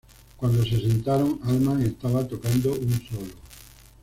Cuando se sentaron, Allman estaba tocando un solo.